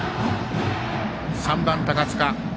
３番、高塚。